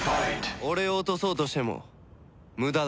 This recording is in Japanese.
俺を落とそうとしても無駄だ。